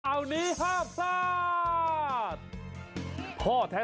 เอาหนีห้าปราศ